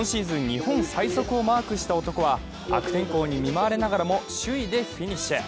日本最速をマークした男は、悪天候に見舞われながらも首位でフィニッシュ。